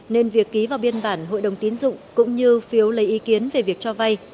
nên việc ký vào biên bản hội đồng tiến dụng cũng như phiếu lấy ý kiến về việc cho vay